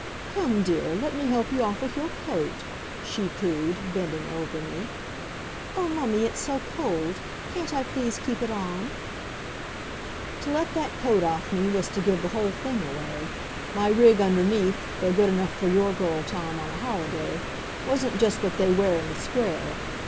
"Come, dear, let me help you off with your coat," she cooed, bending over me. "Oh, mummy, it's so cold! Can't I please keep it on?" To let that coat off me was to give the whole thing away. My rig underneath, though good enough for your girl, Tom, on a holiday, wasn't just what they wear in the Square.